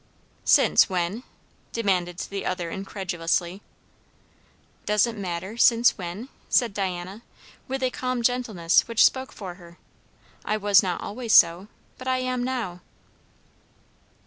"Since when?" demanded the other incredulously. "Does it matter, since when?" said Diana, with a calm gentleness which spoke for her. "I was not always so, but I am now."